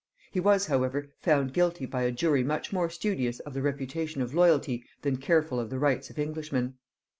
He was however found guilty by a jury much more studious of the reputation of loyalty than careful of the rights of Englishmen.